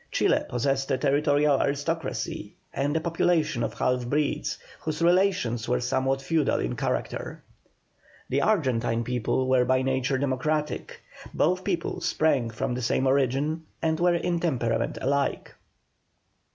Chile possessed a territorial aristocracy, and a population of half breeds, whose relations were somewhat feudal in character. The Argentine people were by nature democratic. Both people sprang from the same origin, and were in temperament alike.